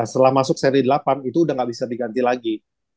setelah masuk seri delapan itu udah nggak bisa diganti lagi